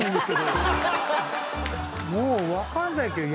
もう分かんないけど。